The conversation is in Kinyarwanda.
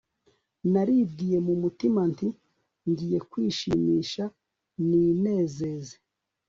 naribwiye mu mutima, nti ngiye kwishimisha, ninezeze